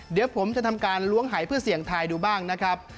เดี๋ยวผมจะทำการล้วงหายเพื่อเสี่ยงทายดูบ้างนะครับ